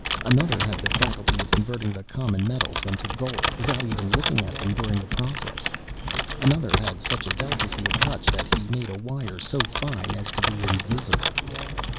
(*24) Another had the faculty of converting the common metals into gold, without even looking at them during the process. (*25) Another had such a delicacy of touch that he made a wire so fine as to be invisible.